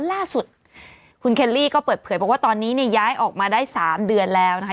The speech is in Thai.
ล่าสุดคุณเคลลี่ก็เปิดเผยบอกว่าตอนนี้เนี่ยย้ายออกมาได้๓เดือนแล้วนะคะ